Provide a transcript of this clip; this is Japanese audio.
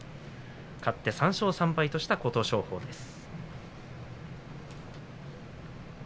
勝って３勝３敗とした琴勝峰のです。